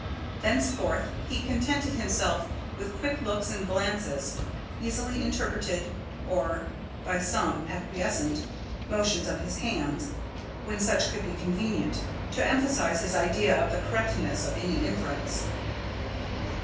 Thenceforth, he contented himself with quick looks and glances, easily interpreted, or by some acquiescent motions of his hands, when such could be convenient, to emphasise his idea of the correctness of any inference.